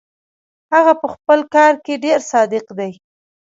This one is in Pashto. هغه پهخپل کار کې ډېر صادق دی.